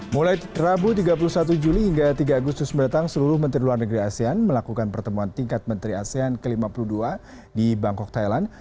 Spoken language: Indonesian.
mulai rabu tiga puluh satu juli hingga tiga agustus mendatang seluruh menteri luar negeri asean melakukan pertemuan tingkat menteri asean ke lima puluh dua di bangkok thailand